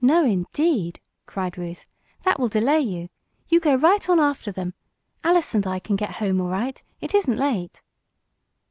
"No, indeed!" cried Ruth. "That will delay you. You go right on after them. Alice and I can get home all right. It isn't late."